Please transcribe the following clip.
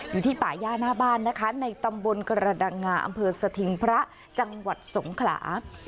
อยู่ที่ป่าย่าหน้าบ้านนะคะในตำบลกระดังงาอำเภอสถิงพระจังหวัดสงขลา